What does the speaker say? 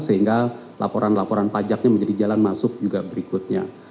sehingga laporan laporan pajaknya menjadi jalan masuk juga berikutnya